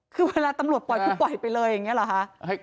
คือเวลาตำรวจปล่อยคือปล่อยไปเลยอย่างนี้เหรอคะ